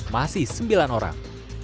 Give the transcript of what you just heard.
masih sembilan orang